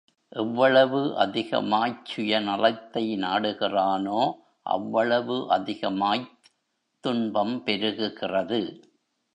எவ்வளவு அதிகமாய்ச் சுய நலத்தை நாடுகிறானோ, அவ்வளவு அதிகமாய்த் துன்பம் பெருகுகிறது.